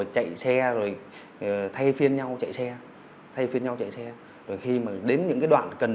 chạy xe rồi thay phiên nhau chạy xe thay phiên nhau chạy xe rồi khi mà đến những cái đoạn cần